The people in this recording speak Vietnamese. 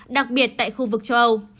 đặc biệt tại khu vực châu âu